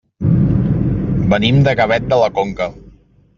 Venim de Gavet de la Conca.